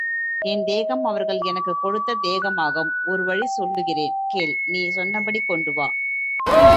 என் தேகம் அவர்கள் எனக்குக் கொடுத்த தேகமாகும் ஒரு வழி சொல்லுகிறேன் கேள் நீ சொன்னபடி கொண்டு வா.